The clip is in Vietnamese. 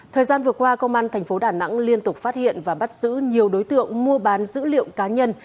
thời gian vừa qua công an thành phố đà nẵng liên tục phát hiện và bắt giữ nhiều đối tượng mua bán dữ liệu cá nhân